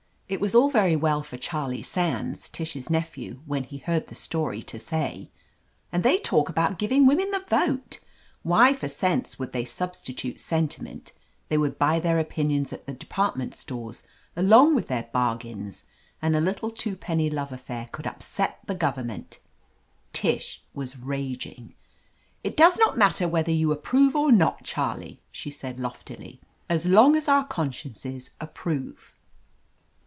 It was all very well for Chariie Sands, Tish's nephew, when he heard the story, to say : "And they talk about giving women the vote! Why, for sense they would substitute sentiment; they would buy their opinions at the department stores along with their bargains, and a little two penny love affair cpuld upset the Government !" Tish was raging. "It does not matter whether you approve or not, Charlie," she said loftily, "as long as our consciences approve."